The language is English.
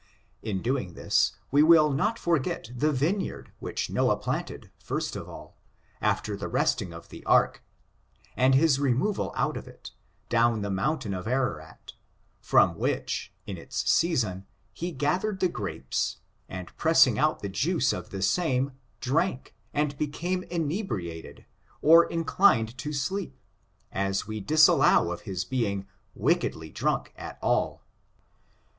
In doing this, we will not forget the vineyard, which Noah planted first of all, after the resting of the ark, and his removal out of it, down the mountain Ararat, from which, in its season, he gathered the grapes, and pressing out the juice of the same, drank, and became inebriated, or inclined to sleep — as we disallow of his being wicked ly drunk at all.